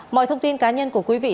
mọi thông tin cá nhân của quý vị